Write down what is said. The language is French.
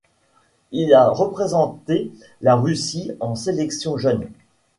Il a représenté la Russie en sélection jeune.